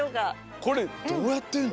これどうやってるの？